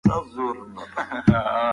تاسې ولې خپل کورنی کار نه دی کړی؟